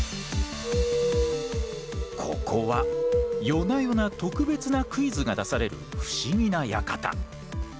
ここは夜な夜な特別なクイズが出される不思議な館。